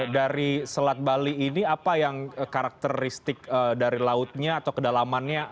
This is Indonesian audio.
dari selat bali ini apa yang karakteristik dari lautnya atau kedalamannya